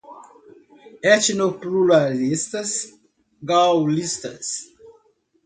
Etnopluralista, gaullistas